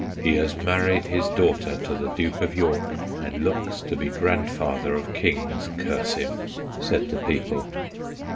' He has married his daughter to the Duke of York, and looks to be grandfather of kings, curse him/ said the people.